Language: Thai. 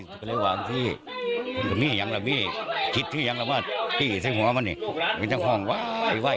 บันทุกคนก็เลยว่าว่าถ้ามีอย่างล่ะมีคิดอย่างละว่าคิดที่หัวมันนี่ใจงากห้องว้าย